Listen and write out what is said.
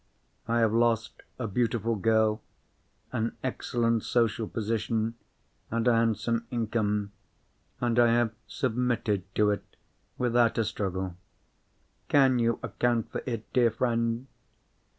I have lost a beautiful girl, an excellent social position, and a handsome income; and I have submitted to it without a struggle. Can you account for it, dear friend?